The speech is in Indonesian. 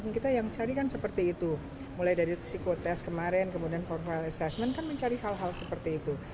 kita yang cari kan seperti itu mulai dari psikotest kemarin kemudian profile assessment kan mencari hal hal seperti itu